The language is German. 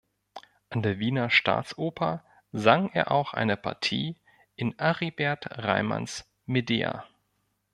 An der Wiener Staatsoper sang er auch eine Partie in Aribert Reimanns "Medea".